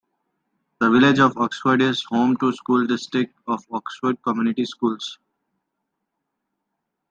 The village of Oxford is home to the school district of Oxford Community Schools.